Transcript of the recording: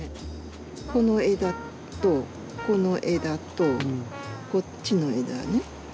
この枝とこの枝とこっちの枝ね。